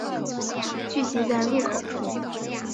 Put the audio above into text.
聚集在入口处